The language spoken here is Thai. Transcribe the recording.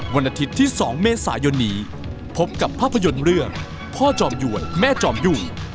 วันอาทิตย์ที่๒เมษายนนี้พบกับภาพยนตร์เรื่องพ่อจอมหยวนแม่จอมยุ่ง